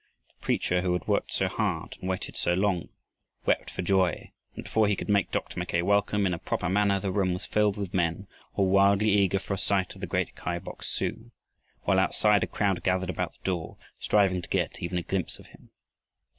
The preacher, who had worked so hard and waited so long, wept for joy, and before he could make Dr. Mackay welcome in a proper manner the room was filled with men, all wildly eager for a sight of the great Kai Bok su, while outside a crowd gathered about the door striving to get even a glimpse of him.